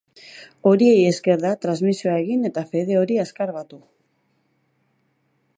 Horiei esker da transmizioa egin eta fede hori azkar batu.